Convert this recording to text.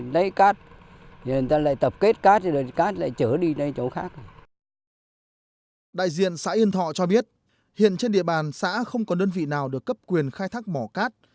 đại diện xã yên thọ cho biết hiện trên địa bàn xã không có đơn vị nào được cấp quyền khai thác mỏ cát